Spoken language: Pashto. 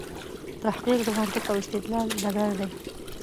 تحقیق د منطق او استدلال ډګر دی.